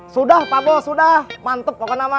sudah pak bos sudah mantep pokoknya nama